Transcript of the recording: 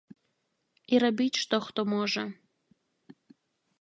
І рабіць што хто можа.